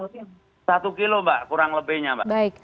satu kilo mbak kurang lebihnya mbak